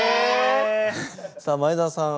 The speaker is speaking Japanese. さあ前澤さん